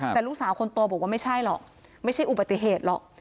แต่ลูกสาวคนโตบอกว่าไม่ใช่หรอกไม่ใช่อุบัติเหตุหรอก